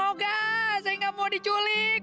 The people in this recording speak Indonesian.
oh gak saya gak mau diculik